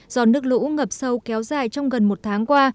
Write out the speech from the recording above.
do nước lũ ngập sâu kéo dài trong gần một tháng qua